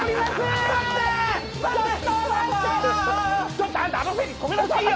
ちょっとあんたあのフェリー止めなさいよ！